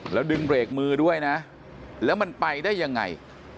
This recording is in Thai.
แล้วดึงเบรกมือด้วยนะแล้วมันไปได้ยังไง